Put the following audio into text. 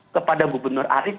kepada gubernur arief